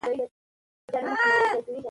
آیا ستاسو په ښوونځي کې خوشالي سته؟